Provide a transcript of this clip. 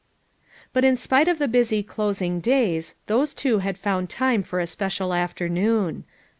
But despite the busy closing days, those two had found time for a special afternoon.